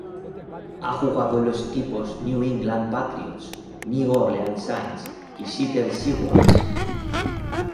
Ha jugado en los equipos New England Patriots, New Orleans Saints y Seattle Seahawks.